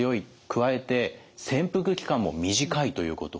加えて潜伏期間も短いということ。